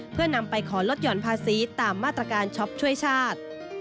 เพื่อนำไปขอลดหย่อนภาษีตามมาตรการช็อปช่วยชาติ